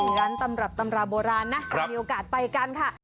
ร้านตำรับตำราโบราณนะจะมีโอกาสไปกันค่ะ